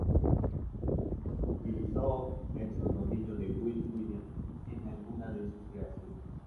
Utilizó el seudónimo de Wills Williams en alguna de sus creaciones.